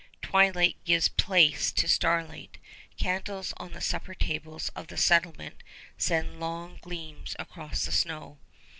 Twilight gives place to starlight. Candles on the supper tables of the settlement send long gleams across the snow.